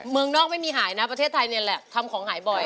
เมืองนอกไม่มีหายนะประเทศไทยเนี่ยแหละทำของหายบ่อย